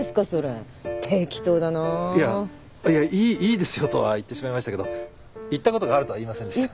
「いいですよ」とは言ってしまいましたけど行ったことがあるとは言いませんでした。